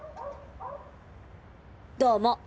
どうも。